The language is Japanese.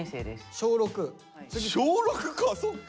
小６か！